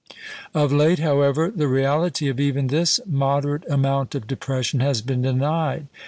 Of late, however, the reality of even this moderate amount of depression has been denied.